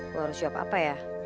loh lu harus jawab apa ya